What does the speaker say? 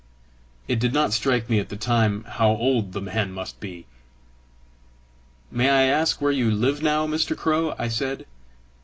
It did not strike me at the time how old the man must be. "May I ask where you live now, Mr. Crow?" I said.